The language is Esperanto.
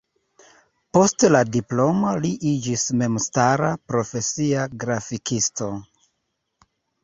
Post la diplomo li iĝis memstara, profesia grafikisto.